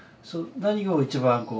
何を一番こう。